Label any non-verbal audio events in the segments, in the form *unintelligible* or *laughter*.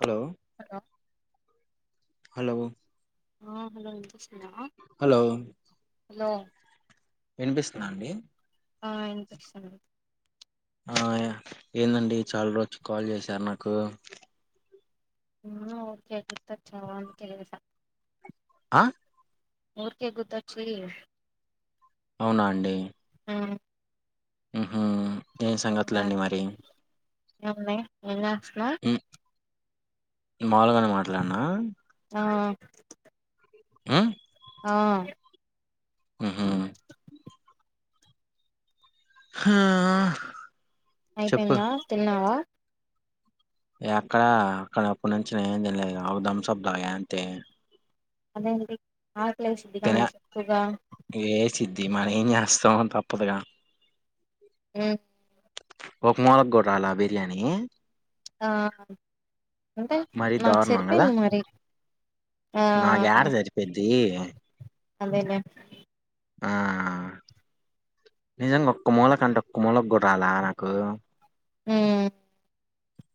Hello hello hello ఆ hello అండి hello hello వినిపిస్తున్నా అండి ఆ వినిపిస్తుంది ఆ ఏందండి చాలా రోజుకి కాల్ చేశారు నాకు నువ్వు ఊకే గుర్తొచ్చావని చేశా ఆ ఊర్కే గుర్తొచ్చి అవునా అండి హా ఆహా ఏ సంగతుల అండి మరి ఎమ్మె ఎలా హ ఉమ్, మాములుగానే మాట్లాడినా ఆ ఆ ఆ అహ హా చెప్పు అయిపోయిందా తిన్నావా అక్కడ అక్కడ అప్పుడు నుంచి ఏం తింలేదు. అ ధంసబ్ దాగా అంతే అదేమిటి ఆకలేస్తది కానీ ఎక్కువగా మరి ఏం చేస్తం తప్పదుగా ఊ ఒక మూలక గొట్టాల బిర్యానీ ఆ అంటే మరీ మాకు సరిపోయింది మరి ఆ నా యాడ జరిపోద్దీ *inaudible* ఆ నిజంగా ఒక్క మూలకంటే ఒక్క మూలకు గుడా రాలే నాకు హ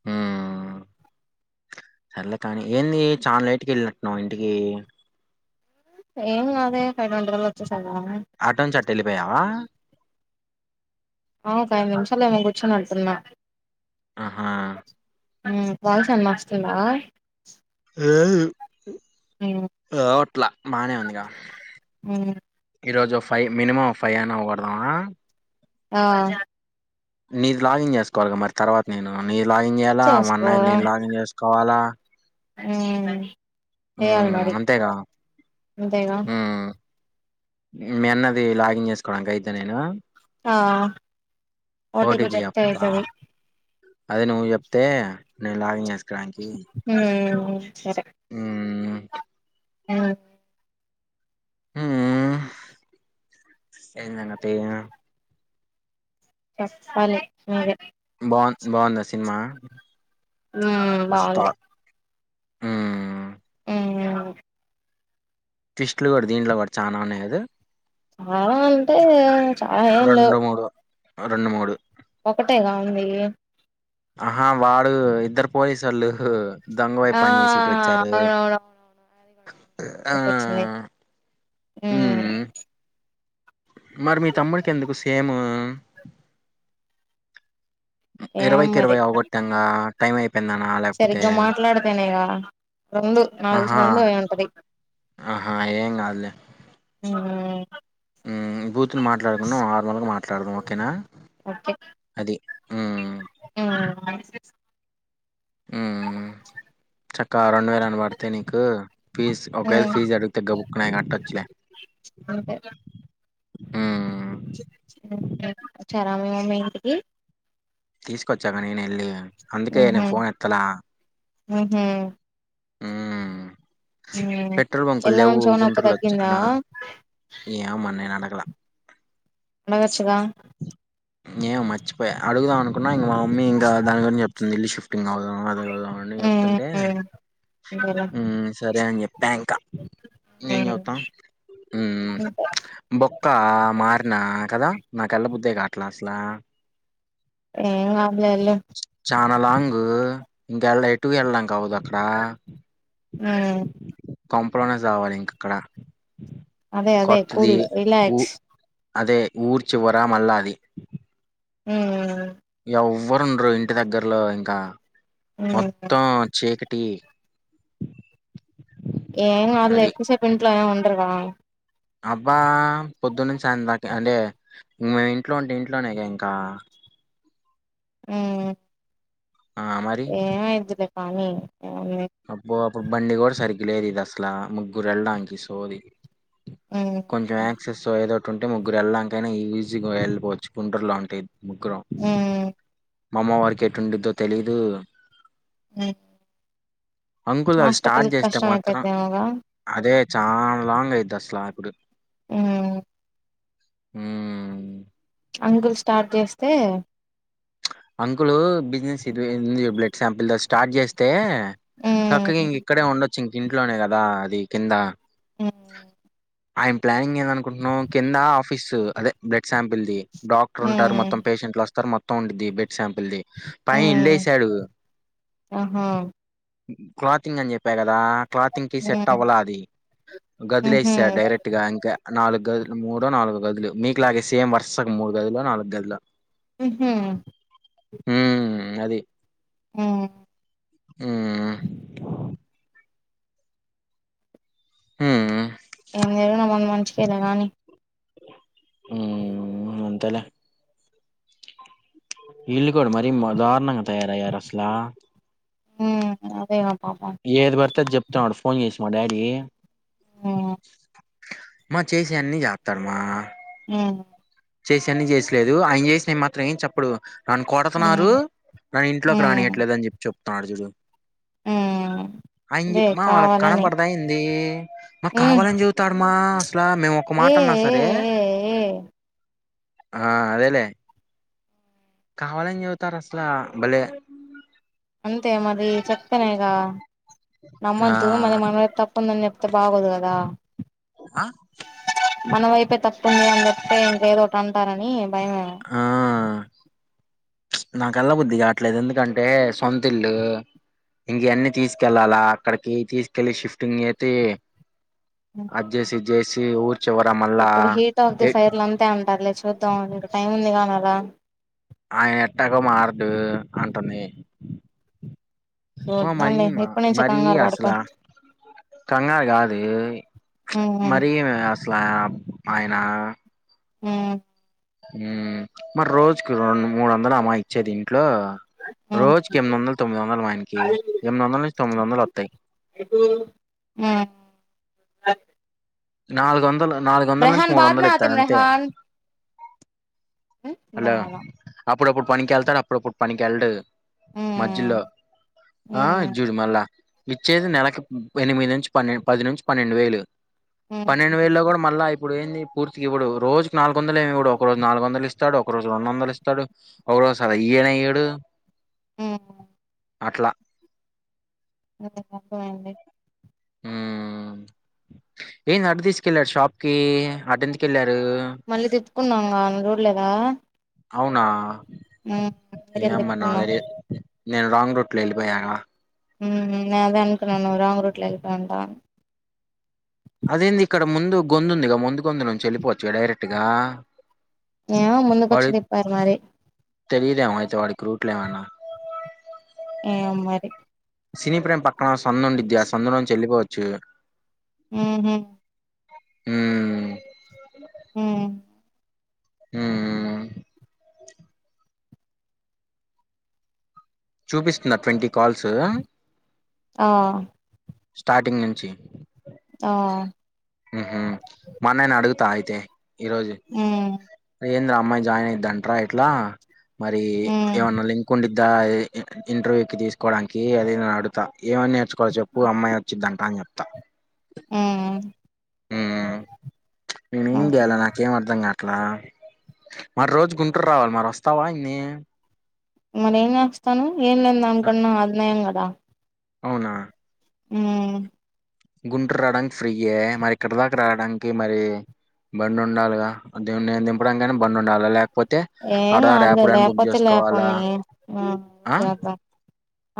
హ సరలే కాని ఏంది చాలా లేట్కి వెళ్ళినట్టున్నావు ఇంటికి ఏను అదే కైండల్ వచ్చస్త స ఎలిపోయావా ఆ ఒక ఐదు నిమిషాలు ఏమో కూర్చొని ఉంటున్న ఆ. హా పాయిసం మస్తుందా ఏ *unintelligible* *unintelligible* బాగానే ఉందిగా ఉమ్ ఈరోజుఫ్ ఫై మినిమమ్ ఫైవ్ అయినా అవకోడుదామా ఆ నీది లాగిన్ చేసుకోవాలగా మరి తర్వాత నేను లాగిన్ చేయాలా ఆమనంది నేను లాగిన్ చేసుకోవాలా అ హ్మ్. ఏమోమారి అంతేగా. అంతేగా హ్మ్. మీ అన్నది లాగిన్ చేసుకోవడాక అయితే నేను ఆ ఓ టీ పీ ఓటీపీ చెప్పు చెప్పాలా? అయింతే అదే నువ్వు చెప్తే నేను లాగింగ్ చే హ ఆ సరే *inaudible* హ్మ్. హ ఎందంటే ఫస్ట్ ఫాల్ *inaudible* బాగు బాగుందా సినిమా బాగుంది ఆ *unintelligible* ఫిస్ట్లు కూడా దీంట్లో కూడా చానా ఉన్నాయికాదు చాలా అంటే చాల ఎమ్ లేవు ఓ రెండు మూడు ఒకటేగా ఉంది ఆహా వాడు ఇద్దరు పోలీసోలు ఆ అవునవున్ వున్ ఆ ఎప్ వచ్చింది హూ ఉమ్ మరి మీ తమ్ముడికి ఎందుకు సేమ్ ఏం ఇరవైకి మరి ఇరవై ఆవగొట్టంగా టైమ్ అయి సరిగ్గా మాట్లాడతేనేగా, రెండు నాక్ తెలిసి ఆహా రెండు అయి ఉంటది. ఆహా ఏం హ్ హూ మ్మ్ బూతుని మాట్లాడుకున్నా నార్మల్గా మాట్లాడదాం ఓకేనా అది. హ్మ్ ఆ హ్మ్ చక్క రెండు వేలు అన పడితే నీకు ఫీజ్, ఒకవేళ మ్మ్ ఫీజు అడుగుతే గబుక్కున అవి కట్టొచ్చు లే. అంతే హ్మ్ వచ్చారా మీ మమ్మీ ఇంటికి తీసుకొచ్చాగా నేన్ ఎళ్ళి అందుకే నేను ఫోన్ ఎత్తలా హు హ్మ్ హ్మ్ పెట్రోల్ బంకులు ఎలా లేవు ఉంచావు నొప్పి గుంట్రుల వచ్చ తగ్గిందా నా ఏమ నే అడ. లా అడగచ్చుగా ఏమో మర్చిపోయా అడుగుదాం అనుకున్నా ఇంగ మామ్ మ్మీ ఇంకా దాన్ గురించి చెప్తుంది ఇల్ షిఫ్ టింగ్ అవుదాం అద కదాం అని చెప్తుంటే, ఉమ్ ఉమ్ అంతేలే హ్మ్ సరే అని చెప్పా ఇంకా ఏం చెతాం మ్ ఉమ్ బొక్కా మారిన కదా. ఎల్లబుద్దే కావట్లా అసలా ఏం కాదులే ఎల్లు నాలాంగ్ ఇంక ఎళ ఎటు ఎళ్ళంగా అవుదా క్కడ ఉమ్ కొంపలోనే సావాలి ఇంక అక్కడ అదే అదే కొత్తది కూల్ ఊ రీలాక్స్ అదే ఊర్ చివరా మల్లా అది హూ హ్మ్ ఎవ్వరుండరు ఇంటి దగ్గర్లో ఇంకా ఉమ్ మొత్తం చీ క టి ఏం కాదులే ఎక్కువసేపు ఇంట్లోనే ఉన్ ఎరగా అబ్బా పొద్దున్న నుంచి సాయంత్రం దాక అంటే ఇం మే ఇంట్లో ఉంటే ఇంట్లోనేక ఇంకా ఉమ్ ఆ మరి ఏ మైయిద్దిలె పనీ అబ్బో ఇప్పుడు బండి కూడా సరిగ్గ లేదు ఇది అసలా ముగ్గురు వెళ్ళడానికి సోది ఉమ్ కొంచం ఆక్సెస్ ఏదో టుంటే ముగ్గురు వెళ్ళడాంకైనా ఈజీగా వెళ్ళపోవచ్చు గుంటూరులో ఉంటాది ముగ్గురం ఉమ్ మా అమ్మ వారికి ఎటుంట్టద్దో తెలీదు ఉమ్ అంకుల్ అది స్టార్ట్ హాస్పిటల్ చేస్తే కష్టం మాత్రం అయిపోద్దేమోగా అదే చాలా లాంగ్ అయితది స్లపీడు ఉమ్ ఉమ్ అంకుల్ స్టార్ట్ చేస్తే అంకులు బిజినెస్ ఇది బ్లడ్ శాంపుల్ స్టార్ట్ చేస్తే అక్కకి ఉమ్ ఇక్కడ ఉండ ఇంక ఇంట్లోనే కదా అది కింద ఉమ్ ఆయన ప్లానింగ్ ఏందనుకుంటున్నావు కింద ఆఫీసు అదే బ్లడ్ సంప్లేది డాక్టర్ ఉంటారు హ్మ్ మొత్త పేషెంట్లు వాస్తు తర్ మోత్ టౌడిది బ్లడ్ సామ్ ప్లేది పైన హ్మ్ ఇల్లుయేసాడు ఆహా క్లాథింగ్ అని చెప్ప కదా ఇలా క్లాత్ంగ్కి సెట్ హ్మ్ అవ్వాల అది గదిలో ఉహూ వేసేస డైరెక్ట్ గా ఇంకా నాలుగు గదులు మూడుో నాలుగు గదులు మీకులాగే సేమ్ వర్సకు మూడు గదులో నాలుగు గదులు హ్మ్మ్ ఉమ్ అది హ్మ్ ఆహా మ్మ్ మ్మ్ ఏం జరుగిన మన మంచికెలేగానీ ఉమ్ అంతేలే ఇల్లు కూడా మరి దారుణంగా తయారయారసాల ఉమ్ అదేగద ఏది పడితే అది చెప్తతున్నాడు ఫోన్ చేసి మ డాడి ఆ మా చేసేవి అన్ని చేస్తారుమా ఆ చేసేన్న చేసిలేదు ఆయన చేసినవి మాత్రం ఏం చెప్పడు. నన్ను కొడతున్నారు హ్మ్ నన్ను ఇంట్లోకి హ్మ్ రానియట్లే అని చెప్పి చెప్తున్నాడు. చూడు హ్మ్ ఆయన అదే మా వాళ్ళకు కావాలని కనపడదాయింది మా హ్మ్ కావాలని చెపుతారు మా అసలా మేము ఒక ఏ మాట ఏ అన్నా సరే. ఏ ఏ ఆ అదేలే కావాలని చెబుతారు అసల భలే. అంతే మరి చెప్తనాయిగా ఆ నమ్మద్దు మరి మన తప్పుందని చెప్తే బాగోదు కదా. ఆ మన వైపే తప్పు ఉందని అని చెప్తే ఇంకేదోకటి అంటారని. భయమేమో. నాకు వెళ్ల బుద్ది కావట్లేదు. ఎందుకంటే సొంతల్లు ఇంక అన్నీ తీసుకెళ్ళాలా అక్కడికి తీసుకెళ్ళలి షిఫ్టింగ్ చేసి అది జేసి ఇది జేసి ఇప్పుడు హీట్ ఆఫ్ ది ఫైర్ లో అంతే అంటారులే చూద్దాం ఇంకా టైం ఉంది కదా మళ్ళ. అమ్మి మా చూద్దాంలే మరిమా ఇప్పటి నుంచే మరి కంగారు పడకు అసలా కంగారు కాదు హ్మ్ మరి స్లాబ్ ఆయనా ఉం ఉమ్ మరి రోజుకి మూ వందలు అమ్మాయి ఇచ్చేది ఇంట్లో హ్మ్ రోజుకి ఎనిమిది వందలు తొమ్మిది వందలు ఆయనకి ఎనిమిది వందల నుంచి తొమ్మిది వందలు వతయి. అ నాలుగు వందల నాలుగు నుంచి రహన్ మూడు బాద్ మే వందలు ఇత్తాడు అతిము అంతే రిహన్. ఏంటి అర్థం హలో గాలా. అప్పుడప్పుడు పనికి వెళ్తడు అప్పుడుప్పుడు పనికేళ్ళాడు. హ్మ్ మజ్యలో ఆ ఇది హ్మ్ జుడు మళ్ళా. ఇచ్చేది నెలకి ఎనిమిది నుంచి పన్నెండు పది నుంచి పన్నెండు వేలు. పన్నెండు హ్మ్ వేల్లో కూడా మళ్ళ ఇప్పుడు ఏంది పూర్తిగా ఇవ్వడు. రోజుకి నాలుగు వందలు ఏమి కూడా ఒక రోజు నాలుగుందలుస్త ఇస్తాడు ఒక రోజు రెండు వందలు ఇస్తాడు ఒక రోజు అసలు ఇయ్యానే ఇయ్యాడు. ఆ అట్లా అప్ప అండి ఏన్ అటు తీసుకెళ్లారు షాప్ కి అటె కెళ్ళారు మళ్ళీ తిప్పుకున్నాం కా చూడ్లేదా అవునా ందు ఏమ్మా నాకు తిరిగిటిప్పుకునం తెలియదు నేను రాంగ్ రూట్ లో వెళ్ళిపోయాగా నేదా అనుకునన్న రాంగ్ రూట్ లో ఎకుంటా అదేంది ఇక్కడ ముందు గొందుందుగా ముందు గొందు నుంచి వెళ్ళిపోవచ్చు డైరెక్ట్గా ఏ ముందుకుచ్చి దీప్పారు మారి పప్పులేవన ఏ మరి సినీ ప్రేమ్ ప అ సందు ఉండేది ఆ సందు నుండి వెళ్ళిపోవచ్చు చె ఆ హ హ ఆ చూపిస్తున్న ట్వంటీ కాల్స్ ఆ స్టార్టింగ్ నుంచి ఆ ఉ హ మనని అడుగుతా అయితే ఈ రోజు హ్మ్ ఏంద్ర అమ్మాయి జాయిన్ అయి అంట్రా ఇట్లా మరి హ్మ్ ఏమన్నా లింక్ ఉండి ఇంటర్వ్యూ క తీసుకోవడానికి అది నే అడుతా ఏమైన్నా నేర్చుకోవాలో చెప్పు అమ్మాయి వచ్చిదింట అని చెప్తా అ నేనుం ఓకే గాల నాకేం అర్ధంంగా అట్లా మరి రోజు గుంటూరు రావాలి మరి వస్తావా ఇన్ని మరి ఏం చేస్తాను ఏం లేని దానికన్నా అది నయం కదా దా అవునా ఉ గుంటరు రావడానికి ఫ్రీ అయ మరి ఇక్కడ దాకా రావడానికి మరి బండి ఉండాలిగా నేను దింపడా కానే బండి ఉండాలి లేక ఏం కాదులే లేకపోతే చేసుకోవాలా లేకపోని ఆ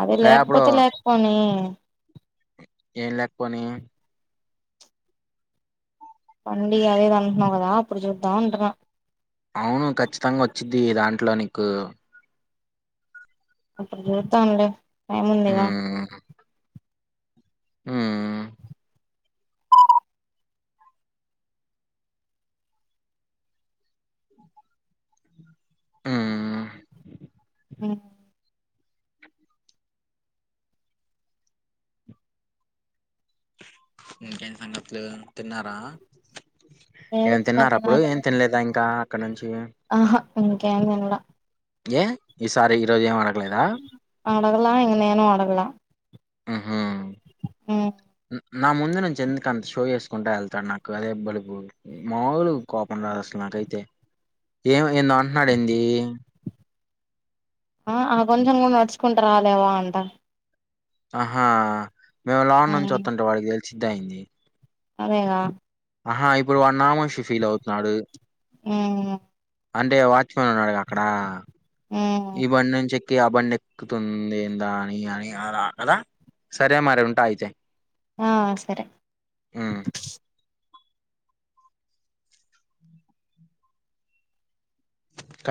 అదే ర్యాపిడో లేకపోతే లేకపోనీ ఏం లేకపోని వండడి అదే తంన్నాం కదా అప్పుడు చుద్దాంట అవును ఖచ్చితంగా వచ్చిది దాని ఇట్లా నీకు అప్పుడు చూద్దాంలే టైముందిగా ఆ ఆహ్ ఉహ్ ఇంకే సంగతులు తిన్నారా లేదు ఏం ఇంకా తిన్నారు అప్పుడు తినాలి ఏం తినలేదా ఇంకా కన నంచ్ ఆహా ఇంకా ఎమ్ తినాలే ఏ ఈ సారి ఈ రోజు ఏమనడ లేదా అడగలా ఎంగనేేను అడగలా ఆహా ఆహ్ నా ముందు నుంచి ఎందుకు అంత షో చేసుకుంటా వెళ్తాడు నాకు అదే బలుపు మాములు కోపం రాదు అసలు నాకైతే ఏం ఏందో అంటున్నాడు ఏంది ఆ ఆ కొంచెం కూడా నడుచుకుంట రాలేవా అంట ఆహా మేము లాన్ నుంచి ఉమ్ వస్తుంట వాడికి తెల్ సుద్ద ఏంది అదేగా ఆహా ఇప్పుడు వన్ నామోషి ఫీల్ అవుతున్నాడు ఆహ్ అంటే వాడ్ ఉన్నాడు కదా అక్కడ ఉమ్ ఈ బండి నుంచి ఎక్ ఆ బండి ఎక్కుతుంది ఏందా అని అని అలా కదా సరే మరి ఉంటా అయితే ఆ సరే ఉమ్.